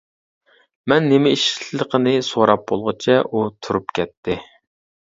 مەن نېمە ئىشلىقىنى سوراپ بولغۇچە ئۇ تۇرۇپ كەتتى.